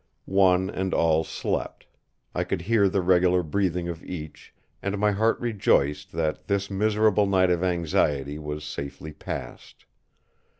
One and all slept; I could hear the regular breathing of each, and my heart rejoiced that this miserable night of anxiety was safely passed.